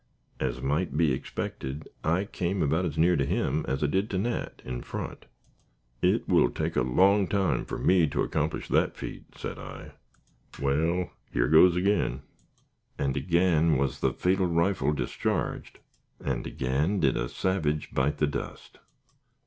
As might be expected, I came about as near to him as I did to Nat, in front. "It will take a long time for me to accomplish that feat," said I. "Wal, yer goes agin." And again was the fatal rifle discharged, and again did a savage bite the dust.